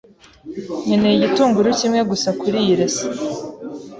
Nkeneye igitunguru kimwe gusa kuriyi resept.